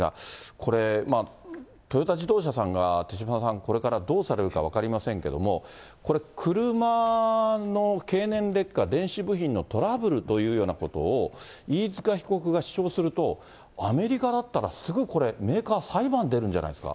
これ、トヨタ自動車さんが、手嶋さん、これからどうされるか分かりませんけれども、これ、車の経年劣化、電子部品のトラブルなどということを飯塚被告が主張すると、アメリカだったらすぐこれ、メーカー、裁判に出るんじゃないですか。